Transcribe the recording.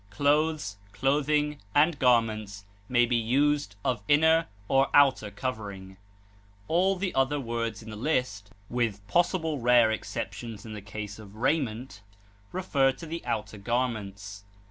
Clothes, clothing, and garments may be used of inner or outer covering; all the other words in the list (with possible rare exceptions in the case of raiment) refer to the outer garments.